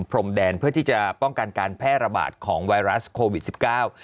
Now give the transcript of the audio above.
พรมแดนเพื่อที่จะป้องกันการแพร่ระบาดของไวรัสโควิดสิบเก้า